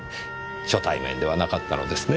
初対面ではなかったのですね？